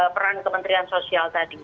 peran kementerian sosial tadi